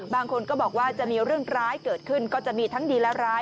บางคนก็บอกว่าจะมีเรื่องร้ายเกิดขึ้นก็จะมีทั้งดีและร้าย